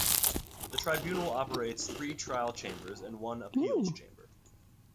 The Tribunal operates three Trial Chambers and one Appeals Chamber.